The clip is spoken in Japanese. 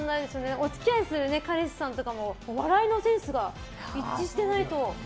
お付き合いする彼氏さんとかも笑いのセンスが一致してないと。